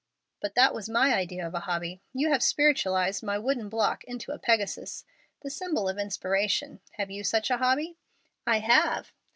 "But that was my idea of a hobby. You have spiritualized my wooden block into a Pegasus the symbol of inspiration. Have you such a hobby?" "I have."